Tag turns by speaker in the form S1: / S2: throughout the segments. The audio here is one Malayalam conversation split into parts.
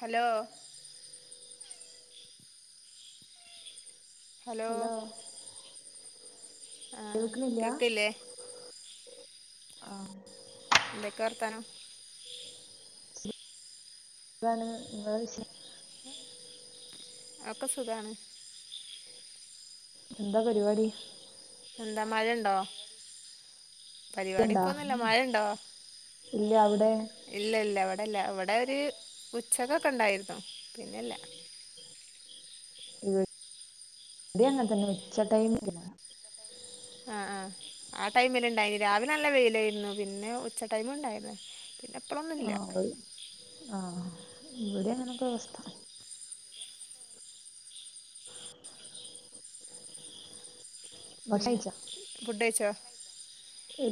S1: ഹലോ ഹലോ ആ
S2: കേൾക്കണില്ല
S1: കേക്ക്ല്ലേ
S2: ആ
S1: എന്തെക്കെ വർത്താനം
S2: സുഖാണ് നിങ്ങളെ വിശേഷം
S1: ഒക്കെ സുഖാണ്
S2: എന്താ പരിപാടി
S1: എന്താ മഴ ഉണ്ടോ പരിപാടി
S2: ക്കണ്ടാ
S1: ഇപ്പൊന്നുമില്ല മഴുണ്ടോ
S2: ഇല്ല അവിടെ
S1: ഇല്ല ഇല്ല അല്ല ഇവിടെ ഒരു ഉച്ചകൊക്കെ ഉണ്ടായിരുന്നു പിന്നെല്ല
S2: ഇവിടെം അ അങ്ങനെ തന്നെ ഉച്ചടൈമിലാ മഴ
S1: ആ ആ ആ ടൈമിൽ ഇണ്ടായിനി രാവിലെ നല്ല വെയിലായിരുന്നു പിന്നെ ഉച്ച ടൈമും ഉണ്ടായിരുന്നു പിന്നെ
S2: ആ
S1: ഇപ്പളൊന്നുല്ല
S2: ആ ഇവിടെ അങ്ങനൊക്കെ അവസ്ഥ ഭക്ഷണം
S1: പിന്നെ
S2: കഴിച്ചാ
S1: ഫുഡ് കഴിച്ചോ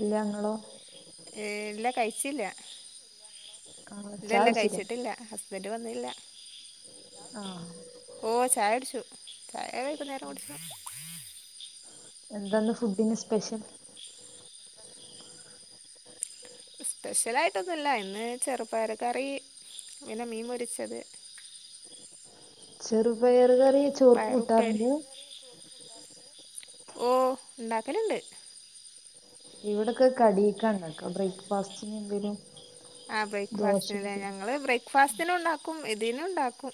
S2: ല്ല ഇങ്ങളോ
S1: ഏ എല്ലാം കഴിച്ചില്ല
S2: ആ
S1: ഇല്ല
S2: ചായ
S1: ല്ല
S2: കുടിച്ചില്ലേ
S1: കഴിച്ചിട്ടില്ല. ഹസ് ബൻറ് വന്നില്ല.
S2: ആ
S1: ഓ ചായ കുടിച്ചു ചായ വൈകുന്നേരം കുടിച്ചു.
S2: എന്താന്ന് ഫുഡിന് സ്പെഷ്യൽ?
S1: സ്പെഷ്യലായിട്ടൊന്നുല്ല ഇന്ന് ചെറുപ്പയറ് കറി പിന്നെ മീൻ പൊരിച്ചത്. [unintelligible]
S2: ചെറുപയറുകറി ചോർക്ക്
S1: പയറുപ്പേരി
S2: കൂട്ടാറുണ്ട്.
S1: ഓ ഇണ്ടാക്കലുണ്ട്.
S2: ഇവിടൊക്കെ കടീക്കാണ് ഇണ്ടാക്ക ബ്രേക്ക്ഫാസ്റ്റിന് എന്തേലും
S1: ആ
S2: ദോശ
S1: ബ്രേക്ക്ഫാസ്റ്റന്ല്ലേ ഞങ്ങള് ബ്രേക്ക്ഫാസ്റ്റിനും ഇണ്ടാക്കും. ഇതിനും ഉണ്ടാക്കും.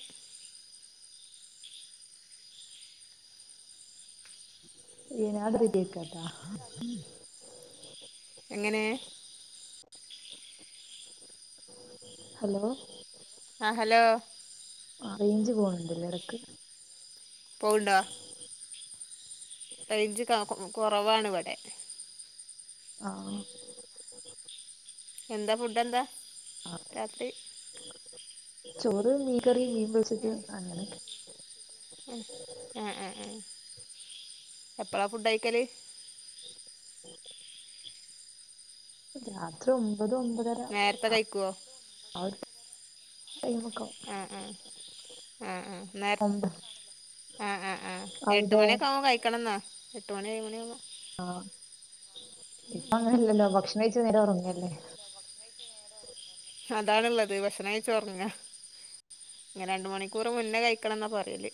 S2: ഏനത്രെ ബാത്ത [unintelligible]
S1: എങ്ങനെ?
S2: ഹലോ?
S1: ആ ഹലോ?
S2: പോണ് ണ്ടല്ലോ ഇടക്ക്.
S1: പോവ്ണ്ടാ റേഞ്ച് കാകു കുറവാണ് ഇവിടെ.
S2: ആ
S1: എന്താ ഫുഡ് എന്താ രാത്രി.
S2: ചോറ് മീൻകറി മീൻ. പൊരിച്ചത്
S1: ഉം
S2: അങ്ങനെ
S1: ഉം ആ ആ എപ്പഴാ ഫുഡ് കയിക്കല്?
S2: രാത്രി ഒമ്പത് ഒമ്പതര
S1: നേരത്തെ കഴിക്കുവോ
S2: ആ ഒര്
S1: ആ ആ ആ നേരത്
S2: ഒമ്പത്
S1: ആ ആ ആ എട്ട്
S2: അവിടെ
S1: മണിയൊക്കെ ആവുമ്പോ കഴിക്കണം എന്നാ എട്ട് മണി ഏഴ് മണിയ ആവുമ്പോ
S2: ആഹ് ഇപ്പ അങ്ങനെല്ലല്ലോ ഭക്ഷണം കഴിച് ച്ച് നേരെ ഉറങ്ങല്ലേ.
S1: അതാണുള്ളത് ഭക്ഷണം കഴിച്ച് ഒറങ്ങാ. ഇങ്ങനെ രണ്ട് മണിക്കൂർ മുന്നേ കഴിക്കണംന്നാ പറേല്.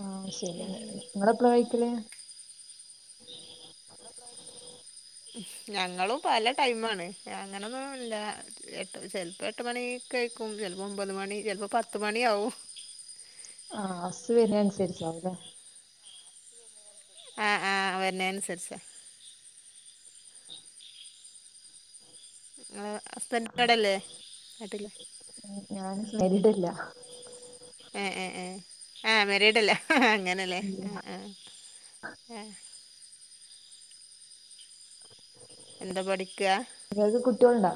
S2: ആ ശരിയാണ് നിങ്ങളെപ്പഴാ കയിക്കല്.
S1: അത്തായത്തിന് ഞങ്ങളും പല ടൈമാണ് അങ്ങനൊന്നും ല്ല്യ ട്ട് ചെലപ്പോ എട്ട് മണിക്കെ ക്കും ചിലപ്പോ ഒമ്പത് മണി ചിലപ്പോ പത്ത് മണി ആവും.
S2: ആഹ് ഹസ് വരണനുസരിചാണ് ലേ
S1: ആഹ് ആഹ് വരണെനനുസരിച്ച ആ ഹസ്ബന്റ് അടല്ലേ നാട്ടില്ലേ
S2: മരിടില്ല.
S1: ഹേ ഹേ ആ ആഹ് മെരീഡല്ലേ അങ്ങനല്ലേ ആ ഹ് ആ ആഏ [unintelligible] എന്താ പഠിക്കാ
S2: നിങ്ങൾക്ക് കുട്ടികളുണ്ടോ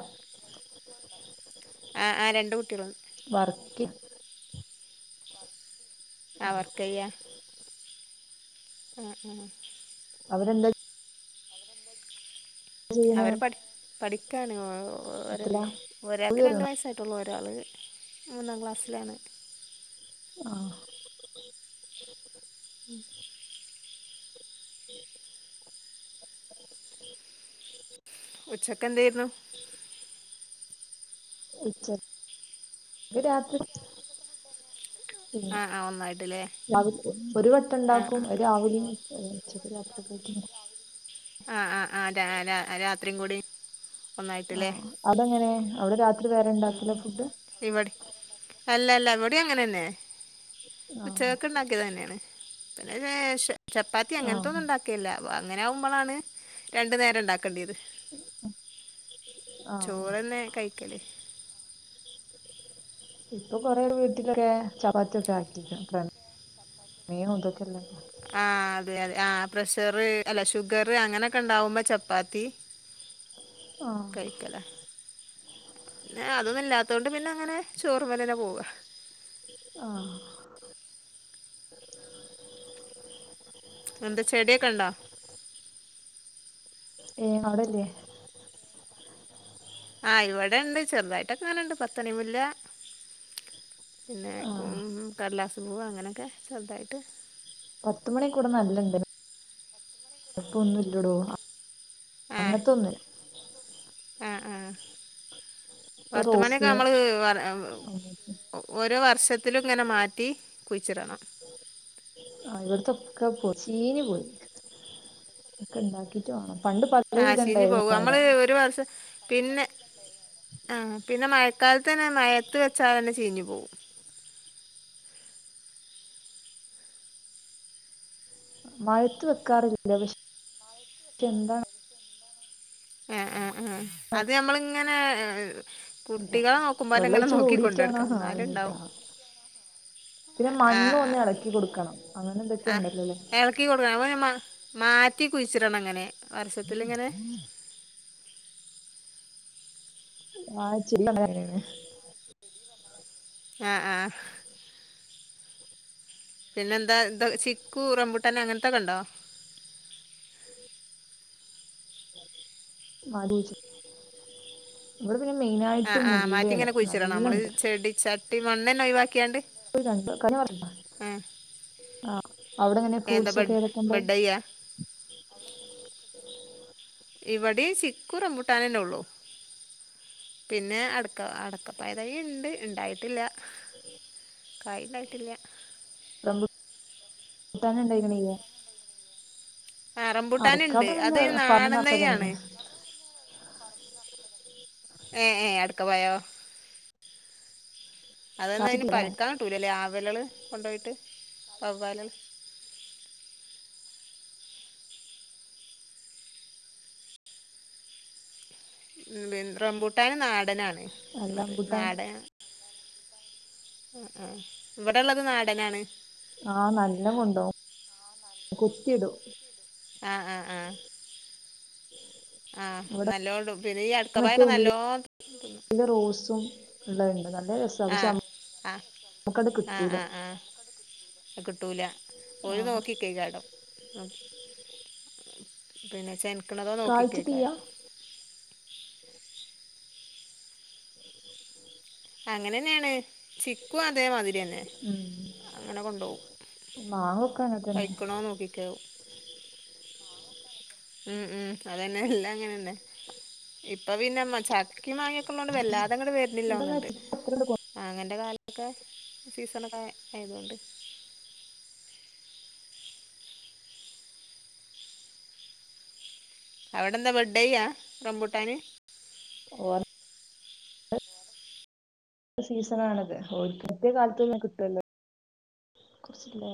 S1: ആ ആ രണ്ട് കുട്ടികളാ
S2: വർക്ക് ആഹ്
S1: വർക്ക യ്യാ
S2: അതന്ത [unintelligible] ചെയ്യണെ
S1: അവര് പഠി പഠി ഒക്കെയണ ഒ
S2: എത്രയിലാ സ്കൂളിൽ
S1: ഒരാൾക്ക് രണ്ട്
S2: ചേർന്നോ
S1: വയസ്സായിട്ടുള്ളൂ ഒരാൾ മൂന്നാം ക്ലാസ്സിലാണ്.
S2: ആ
S1: ഉം
S2: ഉ [inaudible] [unintelligible]
S1: ഉച്ചയ്ക്ക് എന്തയിരുന്നു.
S2: ഉച്ച കരാത്രി [unintelligible] പിന്നെ
S1: ആ ആ ഒന്നായിട്ടല്ലേ
S2: ഒരു വട്ടം
S1: ആ ആ
S2: ഉണ്ടാക്കും അത് രാവിലെ രാത്രി -. ട്ട [inaudible]
S1: ആ ആ ആ രാ രാ രാത്രിയും കൂടി -
S2: ആ അതെങ്ങനെ അവിടെ രാത്രി വേറെ
S1: ഉം
S2: ഇണ്ടാക്കില്ലോ
S1: ഉം
S2: ഫുഡ് -
S1: ഇവിടെ അല്ല അല്ല ഇവടി അങ്ങനെ ന്നെ
S2: ആഹ്
S1: ഉച്ചകക്ക് ഉണ്ടാക്കീതെന്നെയത് പിന്നെ ലേഷം ചപ്പാത്തി
S2: ആഹ്
S1: അങ്ങനത്തൊന്നും ഉണ്ടാക്കിയില്ല അങ്ങനെ ആകുമ്പോളാണ് രണ്ടു നേരം ഉണ്ടാക്ക ക്കണ്ടിയത്
S2: ആഹ്
S1: ചോറ്ന്നെ കഴിക്കല്
S2: ഇപ്പൊ കൊറെവീട്ടിലൊക്കെ ചപാത്തി ഒക്കെ ആക്കിക്ണ്. മീ ഉണ്ട്ക്കല്ല [unintelligible]
S1: ആ അതെ അതെ ആ പ്രഷർ അല്ല ഷുഗർ അങ്ങനെൊക്കെ ഉണ്ടാവുമ്പോ ചപ്പാത്തി
S2: ആഹ്
S1: കഴിക്കലേ പിന്ന അതൊന്നുമ ഇല്ലാത്ത കൊണ്ട് പിന്നെ - അങ്ങനെ ചോറ്മ്മലന്നെപോവാ - -
S2: ആ [inaudible]
S1: എന്താ ചെടിയെക്ണ്ടാ
S2: ഏ അവിടെല്ലേ?
S1: ആ ഇവിടെ ഇണ്ട് ചെറുതായിട്ടൊ കാനുണ്ട് പത്തണിമുല്ല. പിന്നെ
S2: ആഹ്
S1: കടലാസ് പൂവ് അങ്ങനെയൊക്കെ ചെറുതായിട്ട്
S2: പത്തുമണി കൂടെ നല്ല ണ്ടയന് ഇപ്പൊന്നുഇല്ലടോ.
S1: ഹേ ഹേ ആ
S2: ഇപ്പൊ
S1: പത്തുമണിയൊക്കെ
S2: റോസ്
S1: നമ്മള്
S2: ആഹ്
S1: ഓരോ വർഷത്തിലും ഇങ്ങനെ മാറ്റി കുഴിച്ചിടണം
S2: ആ ഇവിടുത്തെ ഒക്കെ പോയി ചീനി പോയി ഒക്കെ ഉണ്ടാക്കിട്ട് വേണം. പണ്ട്
S1: ആ
S2: പലവിധം
S1: ചീഞ്ഞു
S2: ഉണ്ടായിരുന്നു
S1: പോകും
S2: അവിടെ
S1: നമ്മള് ഒരു വർഷം പിന്നെ ആ പിന്നെ മഴക്കാലത്ത്. തന്നെ മയത്ത് വെച്ചാൽ തന്നെ ചീഞ്ഞു പോകും.
S2: മഴത്ത് വെക്കാറില്ലില്ല പക്ഷെ പക്ഷെ എന്താണ്
S1: ആ ആ ആ അത് നമ്മളിങ്ങനെ കുട്ടികളെ നോക്കുമ്പോല എങ്ങനെ
S2: വെള്ളൊഴിച്ച്
S1: നോക്കി കൊണ്ട
S2: കൂടിയിട്ടാണോ
S1: എടുക്കണം എന്നാലും
S2: ആവുന്നിട്ടാ
S1: ഉണ്ടാവും.
S2: പിന്നെ മണ്ണും ഒന്ന് ഇളക്കി കൊടുക്കണം. അങ്ങനെ എന്തൊക്കെ
S1: ആ
S2: ഉണ്ടല്ലോല്ലേ
S1: എളക്കി കൊടുക്കമ്മ മാറ്റി കുഴിച്ചിടണം ങ്ങനെ വർഷത്തിങ്ങനെ
S2: ആ ശരിതങ്ങനാണ് [unintelligible]
S1: ആ ആ പിന്നെന്താ ഇ ചിക്കു റമ്പുട്ടാന് അങ്ങനത്തൊക്കെ ഉണ്ടോ
S2: [unintelligible] ഇവിടെ പിന്നെ മെയിൻ ആയിട്ട്
S1: ആഹ് ആഹ് മാറ്റി
S2: മുല്ലയാണ്
S1: ഇങ്ങനെ കുഴിച്ചിടണം നമ്മള്
S2: നല്ലണ്ട്
S1: ചെടി ചട്ടി മണ്ണ് തന്നെ ഒഴിവാക്കിയാണ്ട്
S2: [unintelligible]
S1: ആഹ്
S2: ആ അവിടെ എങ്ങനെ ഫ്രൂട്ട്സ് ഒക്കെ ഏതെക്കേ ഉണ്ട്
S1: ആ അവിടെ എങ്ങനെ ഫ്രൂട്ട്സ് ഒക്കെ ഏതെക്കേ ഉണ്ട് ഇവിടെ ചിക്കു റംബൂട്ടാനന്നെ ഉള്ളു പിന്നെ അടക്ക അടക്കപ്പായതായി ഉണ്ട് ഉണ്ടായിട്ടില്ല കായ് ഉണ്ടായിട്ടില്ല
S2: റമ്പു ട്ടാന് ഉണ്ടായികാണില്ലേ
S1: ആ റംപൂട്ടാനുണ്ട് അത്
S2: പിന്നെ പറമ്പ്
S1: നാടൻ
S2: നിറച്ച്
S1: തൈ ആണ്
S2: അതന്നെയാണ്
S1: ഏ ഏ എടുക്ക പോയോ അതന്നെ അതിന്
S2: കാച്ചിട്ടില്ലേ
S1: പറിക്കാൻ കിട്ടൂലല്ലേ ആവലള് കൊണ്ട് പോയിട്ട് വവ്വാലുകള് ഉം റംബൂട്ടന് നാടനാണ് ഉള്ളത്
S2: റംബൂട്ടാൻ
S1: നാടൻ ആ ആ ഇവിടെള്ളത് നാടനാണ്
S2: ആഹ് നല്ല കൊണ്ടോവും കുത്തിടും
S1: ആ ആ ആ ആഹ്
S2: ഇവിടെ
S1: നല്ലോണ്ട് പിന്നെ ഈ
S2: മറ്റേ
S1: അടുക്കപ്പായൊക്കെ
S2: ഉള്ളില്
S1: നല്ലോ
S2: റോസും ഉള്ളത്ണ്ട് നല്ല രസമാണ് പക്ഷെ
S1: ആ
S2: നമുക്കത്
S1: ആ
S2: കിട്ടൂല
S1: ആ ആ കിട്ടൂല പോയി
S2: ആഹ്
S1: നോക്കി നിക്കെയ്ക്കാരം പിന്നെച്ചെനിക്കണതോ നോക്കി
S2: കായ്ച്ചിട്ടില്ല
S1: കെയ്ക്കാരം അങ്ങനെന്നെയാണ് ചിക്കും അതേമാതിരി തന്നെ
S2: ഉം
S1: അങ്ങനെ കൊണ്ടു പോവും
S2: മാങ്ങൊക്കെ അങ്ങനെ തന്നെ
S1: പൈക്കണ നോക്കിക്കോ ഉം ഉം അതന്നെ എല്ല അങ്ങനെന്നെ ഇപ്പൊ പിന്നെ മ ചക്കേം മാങ്ങിയൊക്കെള്ളതോണ്ട് വല്ലാതെ അങ്ങട്ട്
S2: ഇവിടെ
S1: വരുന്നില്ലന്നുണ്ട്
S2: അത്രണ്ട്
S1: അങ്ങന കാ തൊക്കെ സീസണൊക്കെ ആയതൊണ്ട് അവിടെ എന്താ ബെഡ്ഡേ്യാ റംബൂട്ടാന്
S2: ഓ സീസൺ ആണത് ഒരിക്കത്തെയ കാലത്ത്ന്ന കിട്ടല്ലോ കൊറചല്ലേ